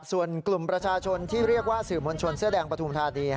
ส่วนกลุ่มประชาชนที่เรียกว่าศืมนชนเสียแดงประธูนาธาตินี้